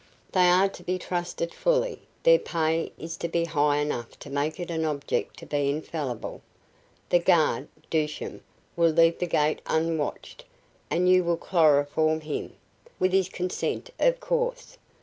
"They are to be trusted fully. Their pay is to be high enough to make it an object to be infallible. The guard, Dushan, will leave the gate unwatched, and you will chloroform him with his consent, of course.